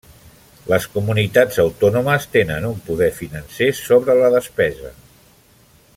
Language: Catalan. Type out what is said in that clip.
Les comunitats autònomes tenen un poder financer sobre la despesa.